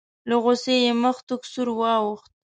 له غوسې یې مخ تک سور واوښت.